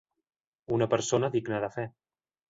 Una persona digna de fe.